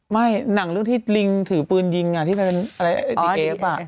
หนังเรื่องที่ลิงถือปืนยิงที่เป็นเชฟ